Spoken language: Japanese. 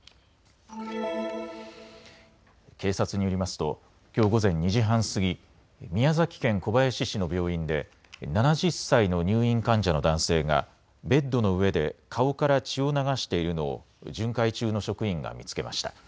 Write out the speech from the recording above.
警察によりますときょう午前２時半過ぎ、宮崎県小林市の病院で７０歳の入院患者の男性がベッドの上で顔から血を流しているのを巡回中の職員が見つけました。